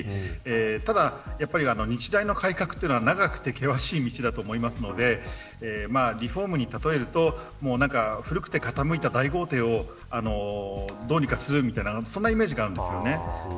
ただ日大の改革というのは長くて険しい道だと思いますのでリフォームに例えると古くて傾いた大豪邸をどうにかするみたいなそんなイメージかなと思います。